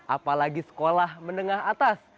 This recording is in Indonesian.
apalagi sekolah menengah atas